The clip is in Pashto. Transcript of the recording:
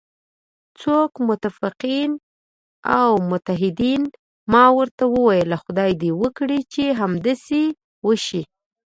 څوک؟ متفقین او متحدین، ما ورته وویل: خدای دې وکړي چې همداسې وشي.